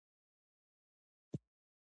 د نجونو تعلیم د بریالیتوب کیلي ده.